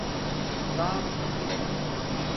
تٰق